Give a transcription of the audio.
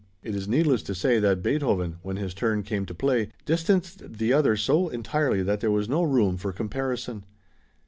It is needless to say that Beethoven, when his turn came to play, distanced the other so entirely that there was no room for comparison.